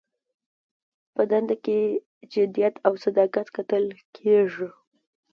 په دنده کې جدیت او صداقت کتل کیږي.